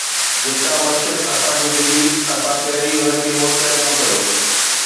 جيڪا معيشت اسان کي ملي، اسان پهرين ان کي مستحڪم ڪيو